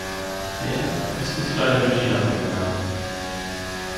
Der ist uns leider durch die Lappen gegangen.